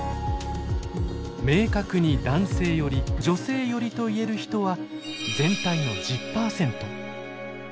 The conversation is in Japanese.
明確に男性寄り女性寄りと言える人は全体の１０％。